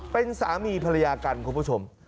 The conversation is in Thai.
เป็นสามีภรรยากันคุณผู้ชม